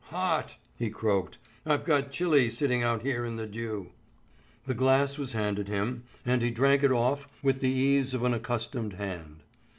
"Hot," he croaked, "I've got chilly sitting out here in the dew." The glass was handed him, and he drank it off with the ease of an accustomed hand.